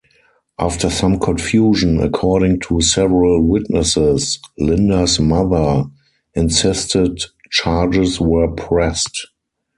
After some confusion, according to "several witnesses", Linda's mother insisted charges were pressed.